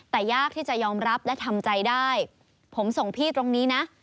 แต่ยากที่จะยอมรับและทำใจได้ผมส่งพี่ตรงนี้นะ